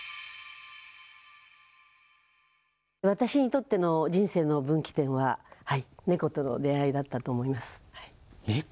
私にとっての人生の分岐点は、猫との出会いだったと思います。